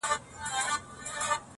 هم ښادۍ یې وې لیدلي هم غمونه٫